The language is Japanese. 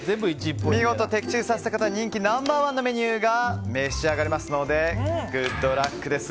見事的中させた方は人気ナンバー１のメニューを召し上がれますのでグッドラックです。